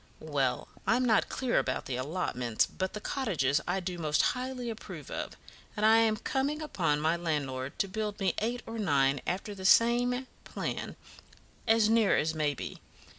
"Well, I'm not clear about the allotments; but the cottages I do most highly approve of, and I am coming upon my landlord to build me eight or nine, after the same plan, as near as may be.